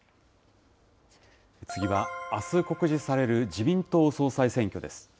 次はあす告示される自民党総裁選挙です。